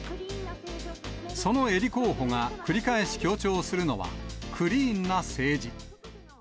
その英利候補が繰り返し強調するのは、クリーンな政治。